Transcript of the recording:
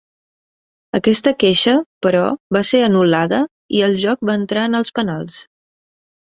Aquesta queixa, però, va ser anul·lada, i el joc va entrar en els penals.